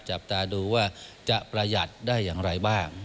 จับตาดูว่าจะประหยัดได้อย่างไรบ้าง